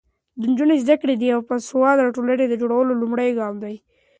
د نجونو زده کړه د یوې باسواده ټولنې د جوړولو لومړی ګام دی.